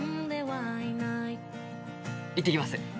行ってきます。